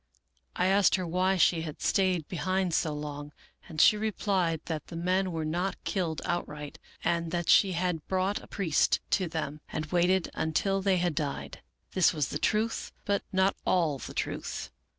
I asked her why she had stayed behind so long, and she replied that the men were not killed outright, and that she had brought a priest to them and waited until they had died. This was the truth, but not all the truth.